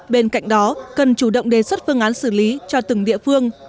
bên cạnh đó cần chủ động đề xuất phương án xử lý cho từng địa phương